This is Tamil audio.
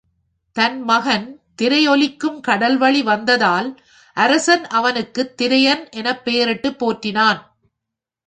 தன் மகன், திரையொலிக்கும் கடல்வழி வந்ததால், அரசன் அவனுக்குத் திரையன் எனப் பெயரிட்டுப் போற்றினான்.